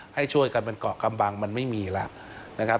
ให้ช่วยกันเป็นเกาะกำบังมันไม่มีแล้วนะครับ